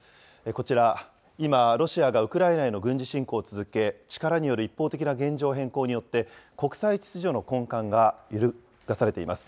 こちら、今、ロシアがウクライナへの軍事侵攻を続け、力による一方的な現状変更によって、国際秩序の根幹が揺るがされています。